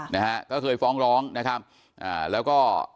นะฮะก็เคยฟ้องร้องนะครับอ่าแล้วก็